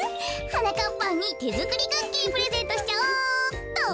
はなかっぱんにてづくりクッキープレゼントしちゃおうっと。